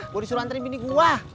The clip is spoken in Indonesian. gue disuruh anterin bini gue